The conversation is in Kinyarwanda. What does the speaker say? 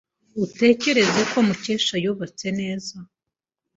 Utekereza ko Mukesha yubatswe neza?